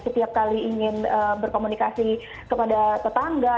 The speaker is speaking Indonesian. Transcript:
setiap kali ingin berkomunikasi kepada tetangga